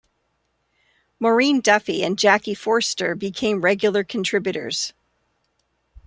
Maureen Duffy and Jackie Forster became regular contributors.